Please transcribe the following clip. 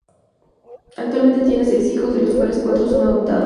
Actualmente tiene seis hijos, de los cuales, cuatro son adoptados.